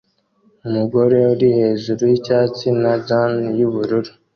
Umugore uri hejuru yicyatsi na jans yubururu